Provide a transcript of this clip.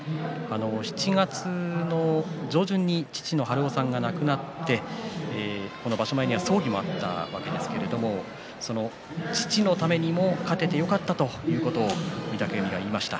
７月の上旬に父の春男さんが亡くなってこの場所前に葬儀があったわけですがその父のためにも勝ててよかったということを御嶽海が言いました。